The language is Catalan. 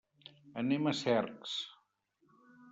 Anem a Cercs.